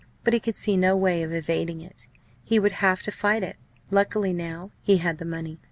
But he could see no way of evading it. He would have to fight it; luckily, now, he had the money.